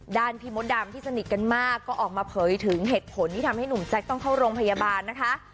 พี่มดดำที่สนิทกันมากก็ออกมาเผยถึงเหตุผลที่ทำให้หนุ่มแจ๊คต้องเข้าโรงพยาบาลนะคะ